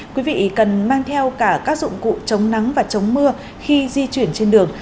quý vị cần mang theo cả các dụng cụ chống nắng và chống mưa khi di chuyển trên đường